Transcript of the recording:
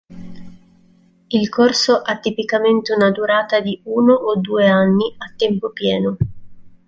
Il corso ha tipicamente una durata di uno o due anni a tempo pieno.